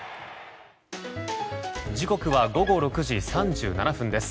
時刻は午後６時３７分です。